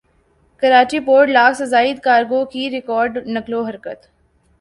Karachi port lakh سے زائد cargo کی ریکارڈ نقل وحرکت